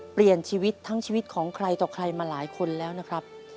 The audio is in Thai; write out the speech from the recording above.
เปลี่ยนชีวิตทั้งชีวิตของใครต่อใครมาหลายคนแล้วนะครับ